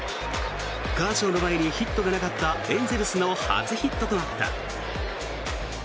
カーショーの前にヒットがなかったエンゼルスの初ヒットとなった。